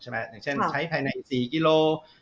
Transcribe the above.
อย่างเช่นใช้ภายใน๔กิโล